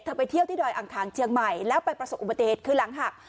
ไปเที่ยวที่ดอยอังคารเชียงใหม่แล้วไปประสบอุบัติเหตุคือหลังหัก